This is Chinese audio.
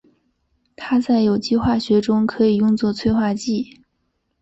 它在有机化学中可以用作催化剂。